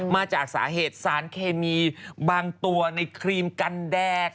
มาจากสาเหตุสารเคมีบางตัวในครีมกันแดด